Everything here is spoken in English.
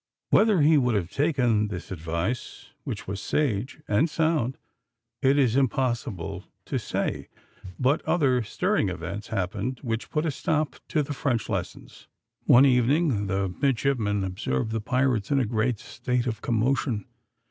Whether he would have taken this advice, which was sage and sound, it is impossible to say; but other stirring events happened which put a stop to the French lessons. One evening the midshipmen observed the pirates in a great state of commotion.